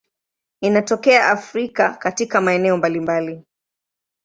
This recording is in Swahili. Inatokea Afrika katika maeneo mbalimbali.